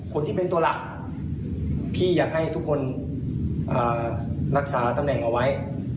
คนที่เป็นตัวหลักพี่อยากให้ทุกคนรักษาตำแหน่งเอาไว้